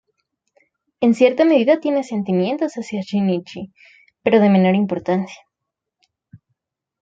En cierta medida tiene sentimientos hacia Shinichi pero de menor importancia.